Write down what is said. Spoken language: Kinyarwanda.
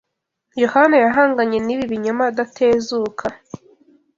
Yohana yahanganye n’ibi binyoma adatezuka